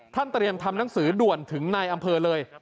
เตรียมทำหนังสือด่วนถึงนายอำเภอเลย